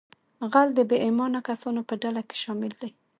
غل د بې ایمانه کسانو په ډله کې شامل دی